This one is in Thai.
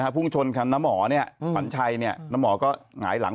พุ่งชนคันน้าหมอขวัญชัยน้าหมอก็หงายหลัง